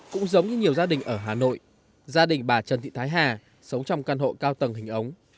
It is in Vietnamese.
cũng giống như nhiều gia đình ở hà nội gia đình bà trần thị thái hà sống trong căn hộ cao tầng hình ống